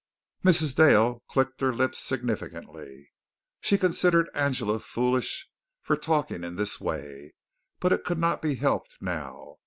Mrs. Dale clicked her lips significantly. She considered Angela foolish for talking in this way, but it could not be helped now.